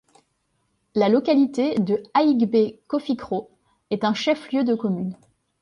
La localité de Ahigbé-Koffikro est un chef-lieu de commune.